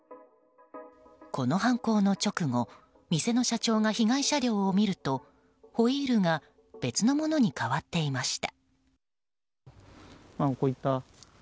この犯行の直後店の社長が被害車両を見るとホイールが別のものに代わっていました。